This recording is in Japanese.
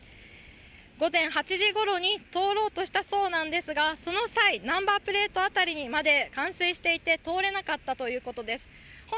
午前８時ごろに通ろうとしたそうなんですが、その際、ナンバープレート辺りまで冠水していて通れなかったということです。